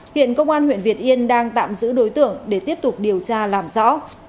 hiện công an huyện việt yên đang tạm giữ đối tượng để tiếp tục điều tra làm rõ